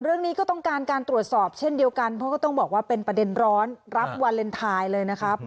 เรื่องนี้ก็ต้องการการตรวจสอบเช่นเดียวกันเพราะก็ต้องบอกว่าเป็นประเด็นร้อนรับวาเลนไทยเลยนะครับ